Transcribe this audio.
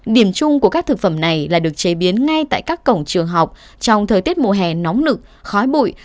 điểm chung của các thực phẩm này là được chế biến ngay tại các cổng trường học trong thời tiết mùa hè nóng nực khói bụi